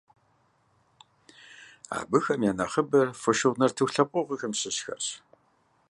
Абыхэм я нэхъыбэр «фошыгъу» нартыху лъэпкъыгъуэм щыщхэрщ.